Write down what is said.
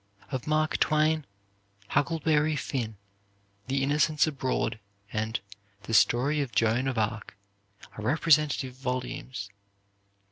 Of Mark Twain, "Huckleberry Finn," "The Innocents Abroad," and the "Story of Joan of Arc" are representative volumes.